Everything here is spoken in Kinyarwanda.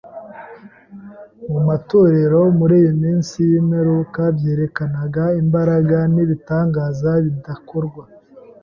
mu matorero muri iyi minsi y’imperuka, byerekanaga imbaraga n’ibitangaza bitakorwa